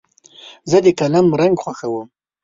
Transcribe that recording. زه د قلم رنګ خوښوم.